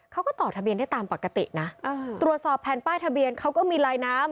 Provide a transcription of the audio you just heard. ต่อทะเบียนได้ตามปกตินะตรวจสอบแผ่นป้ายทะเบียนเขาก็มีลายน้ำ